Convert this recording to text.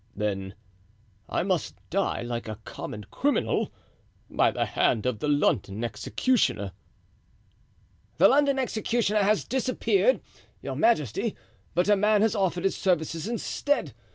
"Then I must die like a common criminal by the hand of the London executioner?" "The London executioner has disappeared, your majesty, but a man has offered his services instead.